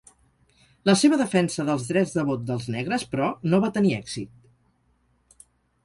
La seva defensa dels drets de vot dels negres, però, no va tenir èxit.